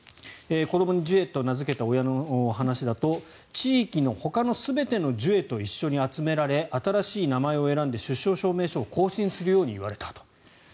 子どもにジュエと名付けた親の話だと地域のほかの全てのジュエと一緒に集められ新しい名前を選んで出生証明書を更新するよう言われたと。